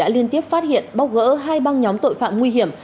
liên tiếp phát hiện bóc gỡ hai băng nhóm tội phạm nguy hiểm